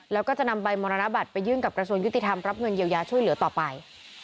แล้วก็จะนำใบมรณบัตรไปยื่นกับกระทรวงยุติธรรมรับเงินเยียวยาช่วยเหลือต่อไป